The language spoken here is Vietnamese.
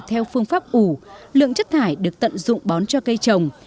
theo phương pháp ủ lượng chất thải được tận dụng bón cho cây trồng